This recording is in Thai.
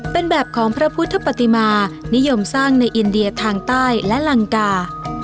เป็นแบบของพระพุทธปฏิมานิยมสร้างในอินเดียทางใต้และลังกา